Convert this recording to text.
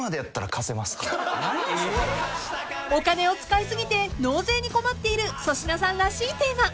［お金を使い過ぎて納税に困っている粗品さんらしいテーマ］